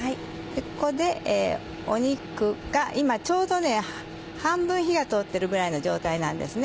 ここで肉が今ちょうど半分火が通ってるぐらいの状態なんですね。